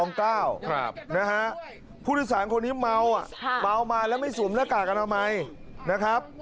นะฮะผู้โดยสารคนนี้เมาอ่ะเมามาแล้วไม่สวมหน้ากากอนามัยนะครับ